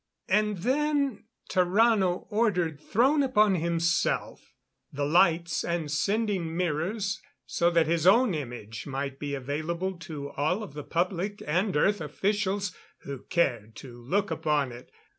And then Tarrano ordered thrown upon himself the lights and sending mirrors so that his own image might be available to all of the public and Earth officials who cared to look upon it.